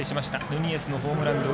ヌニエスのホームランで